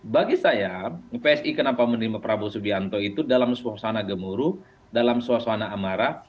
bagi saya psi kenapa menerima prabowo subianto itu dalam suasana gemuruh dalam suasana amarah